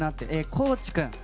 高地君。